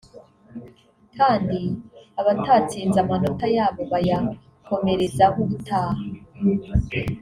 kandi abatatsinze amanota yabo bayakomerezaho ubutaha